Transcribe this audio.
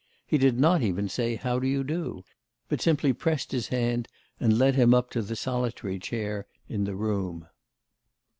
He did not even say, 'How do you do?' but simply pressed his hand and led him up to the solitary chair in the room.